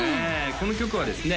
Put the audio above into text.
この曲はですね